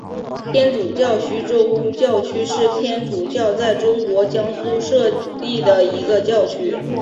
天主教徐州教区是天主教在中国江苏省设立的一个教区。